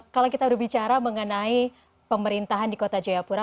kalau kita berbicara mengenai pemerintahan di kota jayapura